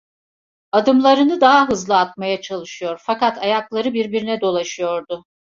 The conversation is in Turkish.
Adımlanın daha hızlı atmaya çalışıyor, fakat ayakları birbirine dolaşıyordu.